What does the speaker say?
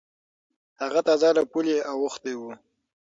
هغه تازه له پولې اوختی و.